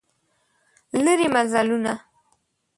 لیري مزلونه